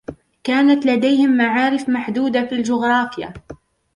كانت لديهم معارف محدودة في الجغرافيا.